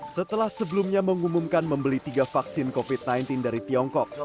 setelah sebelumnya mengumumkan membeli tiga vaksin covid sembilan belas dari tiongkok